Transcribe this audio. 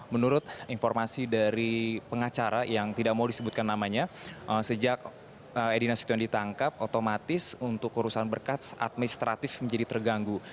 menurut informasi dari pengacara yang tidak mau disebutkan namanya sejak edi nasution ditangkap otomatis untuk urusan berkas administratif menjadi terganggu